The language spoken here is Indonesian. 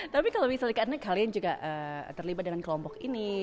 tapi kalau misalnya karena kalian juga terlibat dengan kelompok ini